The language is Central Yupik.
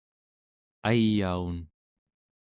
ayaun¹